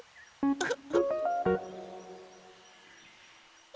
ウフフフ！